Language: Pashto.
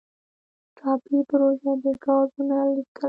ټاپي پروژه د ګازو نل لیکه ده